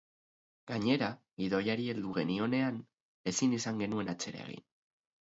Gainera, gidoiari heldu genionean, ezin izan genuen atzera egin.